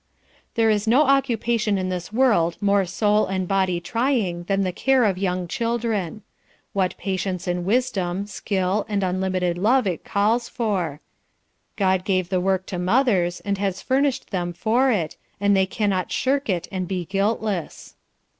There is no occupation in this world more soul and body trying than the care of young children. What patience and wisdom, skill, and unlimited love it calls for. God gave the work to mothers and has furnished them for it, and they cannot shirk it and be guiltless.